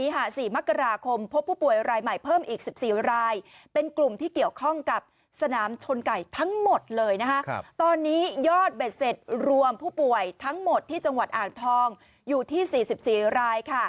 ตอนนี้ยอดเบ็ดเสร็จรวมผู้ป่วยทั้งหมดที่จังหวัดอ่างทองอยู่ที่๔๔ราย